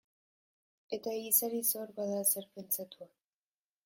Eta egiari zor, bada zer pentsatua.